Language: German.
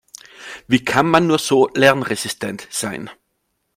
Wie kann man nur so lernresistent sein?